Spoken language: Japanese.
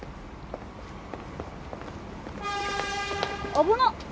危なっ！